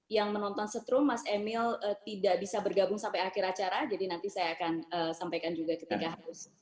yang menonton setrum mas emil tidak bisa bergabung sampai akhir acara jadi nanti saya akan sampaikan juga ketika harus